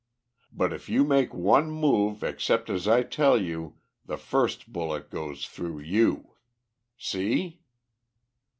But if you make one move except as I tell you the first bullet goes through you. See?"